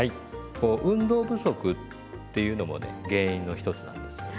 こう運動不足っていうのもね原因の一つなんですよね。